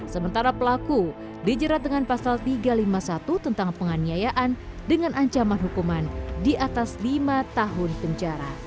sementara pelaku dijerat dengan pasal tiga ratus lima puluh satu tentang penganiayaan dengan ancaman hukuman di atas lima tahun penjara